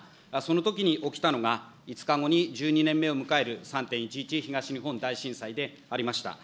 そのときに起きたのが、５日後に１２年目を迎える３・１１東日本大震災でございました。